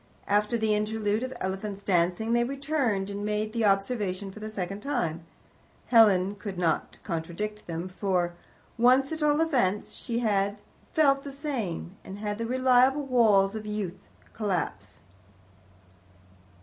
After the interlude of elephants dancing, they returned and made the observation for the second time. Helen could not contradict them, for, once at all events, she had felt the same, and had seen the reliable walls of youth collapse.